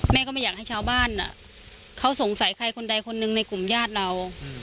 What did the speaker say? ก็ไม่อยากให้ชาวบ้านเขาสงสัยใครคนใดคนหนึ่งในกลุ่มญาติเรา